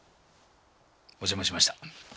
お邪魔しました。